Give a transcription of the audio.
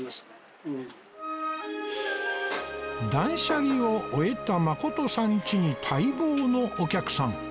断捨離を終えたまことさんちに待望のお客さん